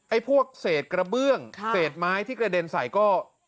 พวกเศษกระเบื้องเศษไม้ที่กระเด็นใส่ก็